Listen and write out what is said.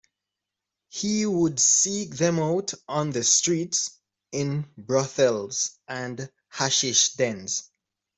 He would seek them out on the streets, in brothels and hashish dens.